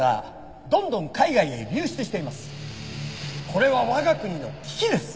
これは我が国の危機です。